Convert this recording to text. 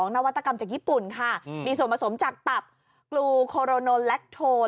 นวัตกรรมจากญี่ปุ่นค่ะมีส่วนผสมจากตับกลูโคโรโนแลคโทน